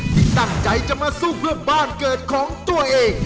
ที่ตั้งใจจะมาสู้เพื่อบ้านเกิดของตัวเอง